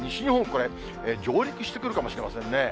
これ、上陸してくるかもしれませんね。